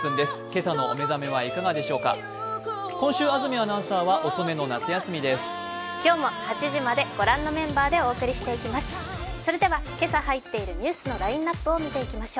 今日も８時までご覧のメンバーでお届けしていきます。